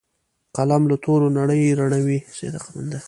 قلم له تورو نړۍ رڼوي